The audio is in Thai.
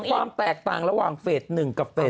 ความแตกต่างระหว่างเฟส๑กับเฟส